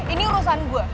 ini urusan gue